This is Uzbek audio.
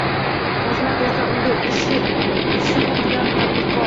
Toshmat esa unga ishi tushib turgan tadbirkor.